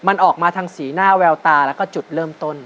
มันออกมาทางสีหน้าแววตาแล้วก็จุดเริ่มต้น